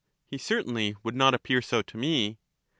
He certainly would not appear so to me.